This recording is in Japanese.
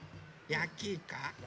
やきいか。